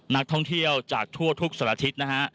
นักท่องเที่ยวจากทั่วทุกสัตว์อาทิตย์นะฮะ